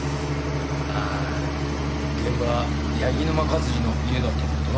ああ現場柳沼勝治の家だったんだってな。